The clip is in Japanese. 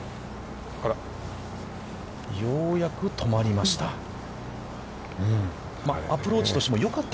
ようやく止まりました。